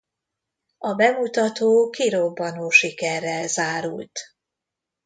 A bemutató kirobbanó sikerrel zárult.